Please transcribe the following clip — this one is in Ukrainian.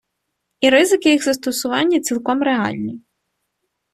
І ризики їх застосування цілком реальні.